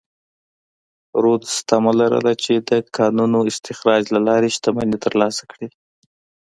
رودز تمه لرله چې د کانونو استخراج له لارې شتمنۍ ترلاسه کړي.